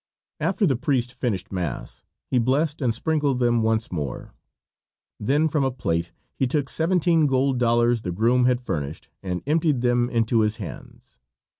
After the priest finished mass he blessed and sprinkled them once more. Then from a plate he took seventeen gold dollars the groom had furnished and emptied them into his hands.